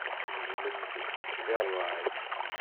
Gezment-tt deg ṛṛay.